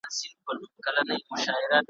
اوس په خپله يو د بل په لاس قتلېږي ,